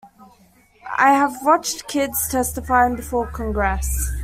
I have watched kids testifying before Congress.